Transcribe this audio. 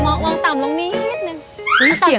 มองต่ำลงนิดนึง